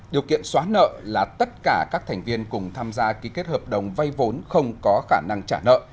điều kiện xóa nợ là tất cả các thành viên cùng tham gia ký kết hợp đồng vay vốn không có khả năng trả nợ